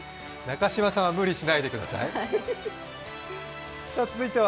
中島さんは無理しないください。